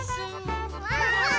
ワンワーン！